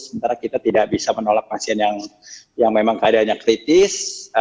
sementara kita tidak bisa menolak pasien yang memang keadaannya kritis